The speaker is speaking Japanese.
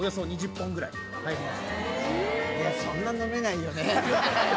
いやそんな飲めないよね。